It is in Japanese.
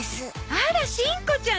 あらしんこちゃん！